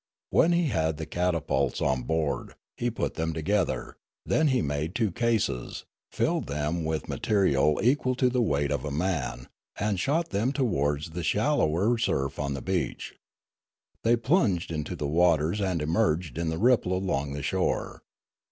When he had the catapults on board, he put them together ; then he made two cases, filled them with material equal to the weight of a man, and shot them towards the shallower surf on the beach. They plunged into the waters and emerged in the ripple along the shore.